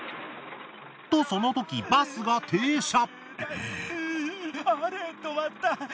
とそのときバスが停車。